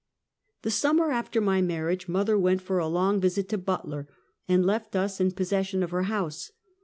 The summer after my marriage, mother went for a long visit to Butler, and left us in possession of her house.